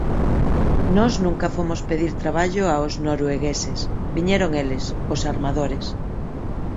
Nós nunca fomos pedir traballo aos noruegueses, viñeron eles, os armadores.